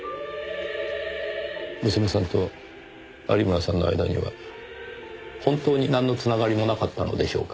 娘さんと有村さんの間には本当になんの繋がりもなかったのでしょうか？